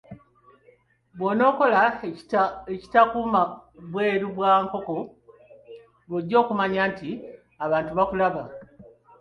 Bw'onaakola ekitakuuma bweru bwa nkoko, lw'ojja okumanya nti abantu bakulaba.